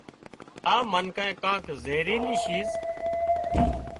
آ منکانئي ڪانڪ زهيريلي شيز